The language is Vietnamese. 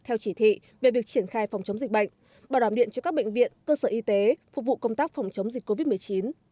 theo chỉ thị về việc triển khai phòng chống dịch bệnh bảo đảm điện cho các bệnh viện cơ sở y tế phục vụ công tác phòng chống dịch covid một mươi chín